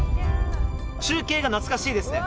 中継が懐かしいですね。